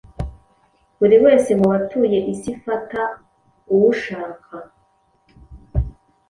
Buri wese mubatuye isifata uwushaka